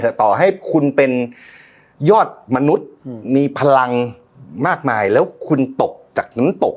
แต่ต่อให้คุณเป็นยอดมนุษย์มีพลังมากมายแล้วคุณตกจากน้ำตก